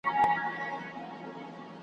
جهاني ولي دي تیارې په اوښکو ستړي کړلې .